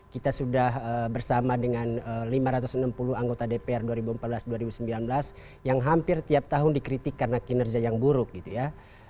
kita sudah bersama dengan lima ratus enam puluh anggota dpr dua ribu empat belas dua ribu sembilan belas yang hampir tiap tahun dikritik karena kinerja yang buruk gitu ya